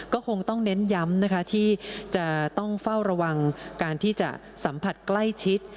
ก็คงต้องเน้นย้ำนะคะที่จะต้องเฝ้าระวังการที่จะสัมผัสใกล้ชิด